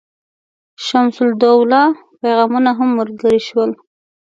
شمس الدوله پیغامونه هم ملګري شول.